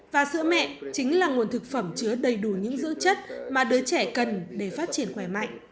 và sữa mẹ chính là nguồn thực phẩm chứa đầy đủ những giữ chất mà đứa trẻ cần để phát triển khỏe mạnh